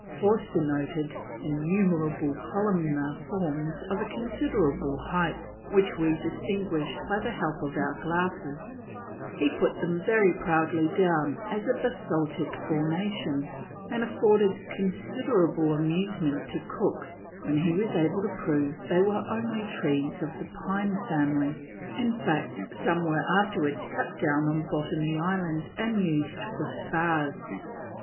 Forster noted "innumerable columnar forms of a considerable height which we distinguished by the help of our glasses"; he put them very proudly down as of basaltic formation, and afforded considerable amusement to Cook when he was able to prove they were only trees of the Pine family; in fact, some were afterwards cut down on Botany Island and used for spars.